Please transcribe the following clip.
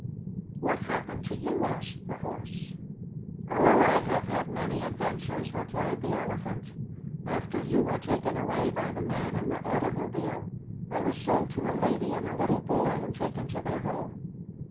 "What happened to you?" asked the Horse. "Oh, I have had many adventures," replied the Elephant. "After you were taken away by the man in the automobile, I was sold to a lady and a little boy and taken to their home."